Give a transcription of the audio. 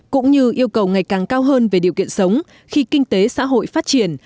cũng như yêu cầu ngày càng cao hơn về điều kiện sống khi kinh tế xã hội phát triển